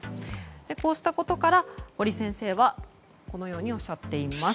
こうしたことから堀先生はこのようにおっしゃっています。